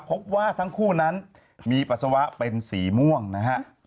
พบว่าทั้งคู่นั้นมีปัสสาวะเป็นสีม่วงนะฮะ